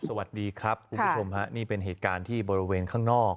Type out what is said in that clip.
สวัสดีครับคุณผู้ชมฮะนี่เป็นเหตุการณ์ที่บริเวณข้างนอก